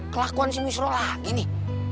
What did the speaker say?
kelakuan si wisro lagi nih